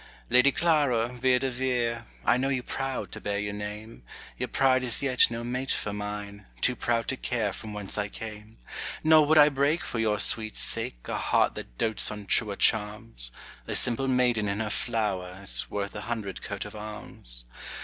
Lady Clara Vere de Vere, I know you proud to bear your name; Your pride is yet no mate for mine, Too proud to care from whence I came. Nor would I break for your sweet sake A heart that dotes on truer charms. A simple maiden in her flower Is worth a hundred coats of arms.